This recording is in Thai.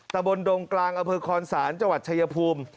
ตะบนดงกลางอำเภอคอนศาลจังหวัดชายภูมิ